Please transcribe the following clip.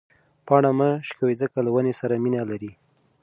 پاڼه مه شکوئ ځکه له ونې سره مینه لري.